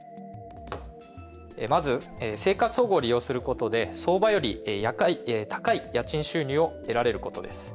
まず、生活保護を利用することで相場より高い家賃収入を得られることです。